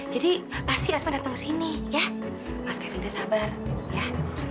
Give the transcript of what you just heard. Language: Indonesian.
jadi pasti asma datang ke sini ya mas kevin teh sabar ya